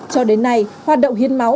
cho đến nay hoạt động hiên máu